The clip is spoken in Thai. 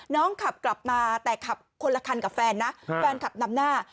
ขับกลับมาแต่ขับคนละคันกับแฟนนะแฟนขับนำหน้า